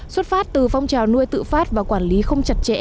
xuất phát từ phong trào nuôi tự phát và quản lý không chặt chẽ